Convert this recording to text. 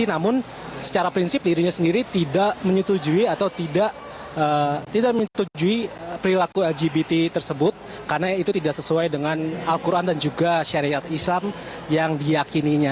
namun secara prinsip dirinya sendiri tidak menyetujui atau tidak menyetujui perilaku lgbt tersebut karena itu tidak sesuai dengan al quran dan juga syariat islam yang diakininya